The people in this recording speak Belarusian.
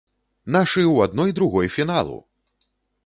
Нашы ў адной другой фіналу!!!